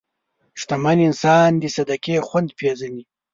شتمن انسان د صدقې خوند پېژني.